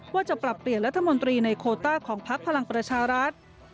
ว่าจะปรับเปลี่ยนรัฐมนตรีในโคต้าของพักพลังประชารัฐ